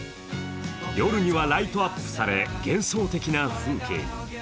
夜にはライトアップされ、幻想的な風景に。